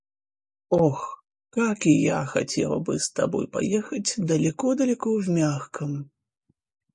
– Ох, как и я хотела бы с тобой поехать далеко-далеко в мягком!..